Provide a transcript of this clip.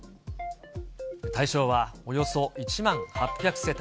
対象はおよそ１万８００世帯。